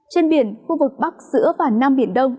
trên biển khu vực bắc giữa và nam biển đông